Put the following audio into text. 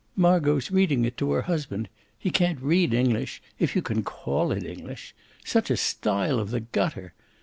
Margot's reading it to her husband; he can't read English, if you can call it English: such a style of the gutter!